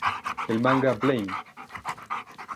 El manga "Blame!